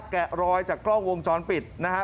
แกะรอยจากกล้องวงจรปิดนะฮะ